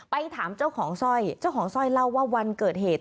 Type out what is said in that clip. ไปถามเจ้าของสร้อยเจ้าของสร้อยเล่าว่าวันเกิดเหตุ